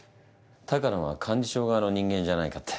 鷹野は幹事長側の人間じゃないかって。